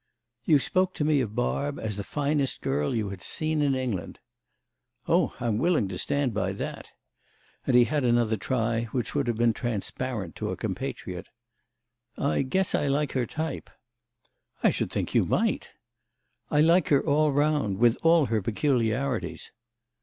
"You spoke to me of Barb as the finest girl you had seen in England." "Oh I'm willing to stand by that." And he had another try, which would have been transparent to a compatriot. "I guess I like her type." "I should think you might!" "I like her all round—with all her peculiarities."